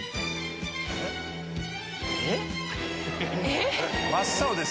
えっ？